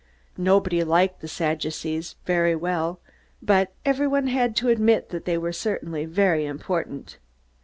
Nobody liked the Sadducees very well, but everyone had to admit that they were certainly very important.